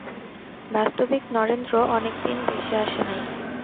বাস্তবিক নরেন্দ্র অনেক দিন দেশে আসে নাই।